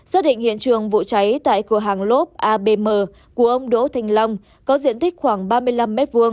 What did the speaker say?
xác định hiện trường vụ cháy tại cửa hàng lốp abm của ông đỗ thành long có diện tích khoảng ba mươi năm m hai